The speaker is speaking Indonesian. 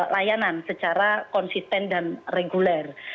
layanan secara konsisten dan reguler